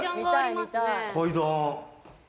階段。